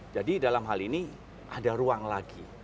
dalam hal ini ada ruang lagi